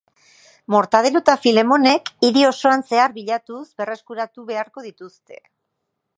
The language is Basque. Mortadelo eta Filemonek hiri osoan zehar bilatuz berreskuratu beharko dituzte.